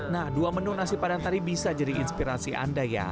nah dua menu nasi padang tari bisa jadi inspirasi anda ya